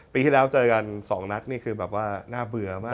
ปีที่แล้วเจอกัน๒นัดนี่คือแบบว่าน่าเบื่อมาก